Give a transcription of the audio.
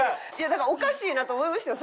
だからおかしいなと思いましたよ